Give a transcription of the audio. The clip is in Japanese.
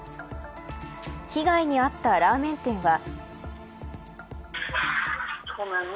被害に遭ったラーメン店は。